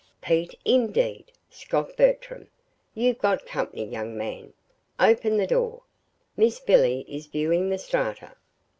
"Pete, indeed!" scoffed Bertram. "You've got company, young man. Open the door. Miss Billy is viewing the Strata."